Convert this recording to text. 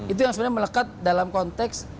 itu yang sebenarnya melekat dalam konteks